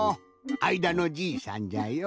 あいだのじいさんじゃよ。